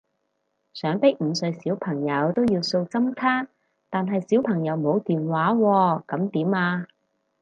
想逼五歲小朋友都要掃針卡，但係小朋友冇電話喎噉點啊？